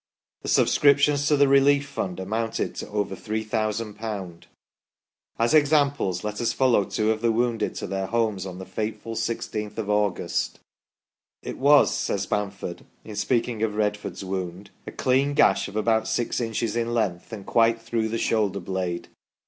The sub scriptions to the relief fund amounted to over 3000. As examples, let us follow two of the wounded to their homes on the fateful 1 6th of August. " It was," says Bamford, in speaking of Redford's wound, " a clean gash of about six inches in length and quite through the shoulder blade.